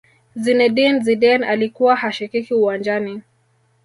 zinedine zidane alikuwa hashikiki uwanjani